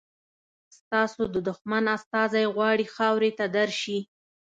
ستاسو د دښمن استازی غواړي خاورې ته درشي.